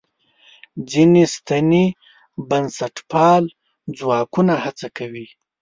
ځینې سنتي بنسټپال ځواکونه هڅه کوي.